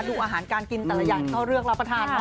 ดูอาหารการกินแต่ละอย่างที่เขาเลือกรับประทานเนอ